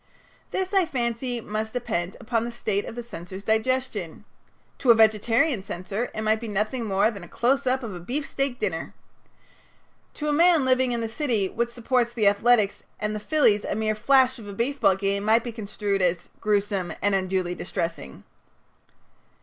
This, I fancy, must depend upon the state of the censor's digestion. To a vegetarian censor it might be nothing more than a close up of a beefsteak dinner. To a man living in the city which supports the Athletics and the Phillies a mere flash of a baseball game might be construed as "gruesome and unduly distressing."